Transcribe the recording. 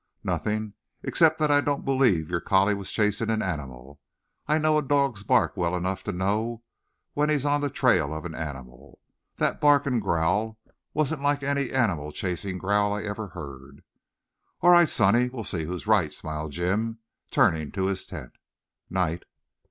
"Nothing except that I don't believe your collie was chasing an animal. I know a dog's bark well enough to know when he's on the trail of an animal. That bark and growl wasn't like any animal chasing growl I ever heard." "All right, sonny, we'll see who's right," smiled Jim, turning to his tent. "Night."